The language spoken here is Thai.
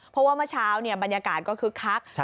เพราะว่าเมื่อเช้าบรรยากาศก็คึกคัก